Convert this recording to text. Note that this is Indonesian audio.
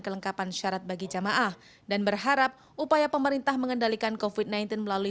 kelengkapan syarat bagi jamaah dan berharap upaya pemerintah mengendalikan kofit sembilan belas melalui